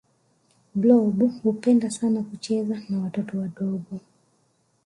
blob hupenda sana kucheza na watoto wadogo